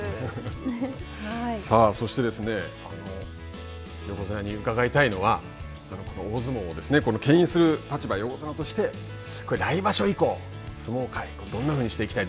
さあそして横綱に伺いたいのはこの大相撲をけん引する立場横綱として来場所以降相撲界どんなふうにしていきたい